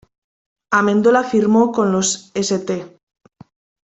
Amendola firmó con los St.